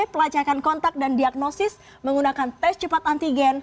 pelacakan kontak dan diagnosis menggunakan tes cepat antigen